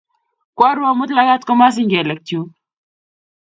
Kwaru amut lagat komasiny kelek chuk